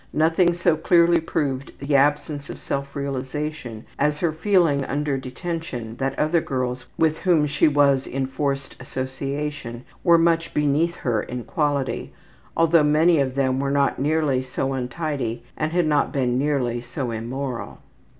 Nothing so clearly proved the absence of self realization as her feeling under detention that other girls with whom she was in forced association were much beneath her in quality, although many of them were not nearly so untidy and had not been nearly so immoral.